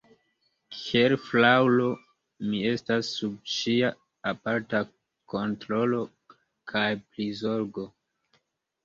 Kiel fraŭlo, mi estas sub ŝia aparta kontrolo kaj prizorgo.